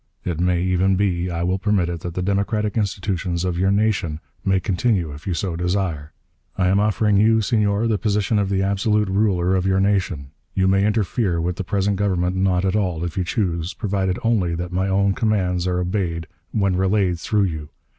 It may even be I will permit it that the democratic institutions of your nation may continue if you so desire. I am offering you, Senor, the position of the absolute ruler of your nation. You may interfere with the present government not at all, if you choose, provided only that my own commands are obeyed when relayed through you.